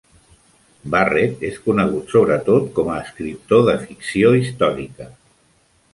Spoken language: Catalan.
Barrett és conegut sobretot com a escriptor de ficció històrica.